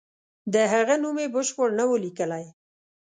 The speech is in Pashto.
د هغه نوم یې بشپړ نه وو لیکلی.